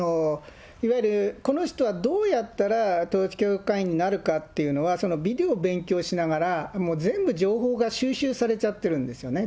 いわゆるこの人はどうやったら、統一教会員になるかというのは、ビデオを勉強しながら、もう全部情報が収集されちゃってるんですよね。